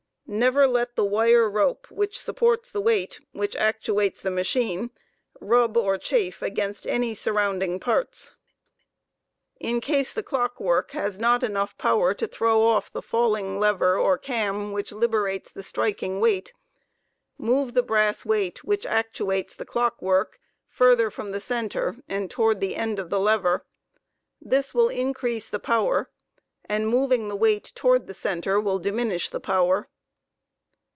Never let the wire rope which supports the weight wWch actuates the machine w ^g* ait0a of rub or 6haf$ against any surrounding parts. w K 4 Ii K 26 In case the'clock work has not enough power to throw off the falling lever or cam which liberates the striking weight, move the brass weight which actuates the clock work farther from the center and toward the end of the lever. This will increase the power, and, moving the weight toward the center will diminish the power.